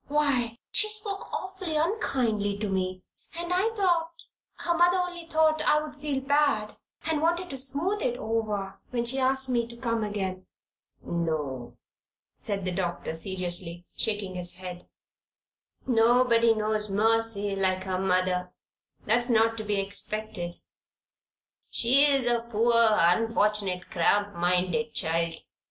"Why, she spoke awfully unkindly to me, and I thought her mother only thought I would feel bad and wanted to smooth it over, when she asked me to come again." "No," said the doctor, seriously, shaking his head. "Nobody knows Mercy like her mother. That's not to be expected. She's a poor, unfortunate, cramp minded child.